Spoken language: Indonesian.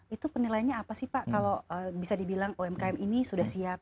itu penilaiannya apa sih pak kalau bisa dibilang umkm ini sudah siap